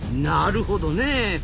なるほどねえ。